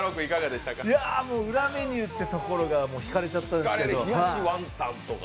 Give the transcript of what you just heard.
裏メニューってところが引かれちゃったんですけど。